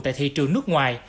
tại thị trường nước ngoài